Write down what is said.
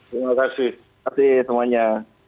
terima kasih terima kasih semuanya